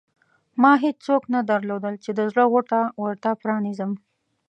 ما هېڅوک نه درلودل چې د زړه غوټه ورته پرانېزم.